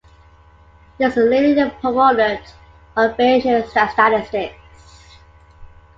He is a leading proponent of Bayesian statistics.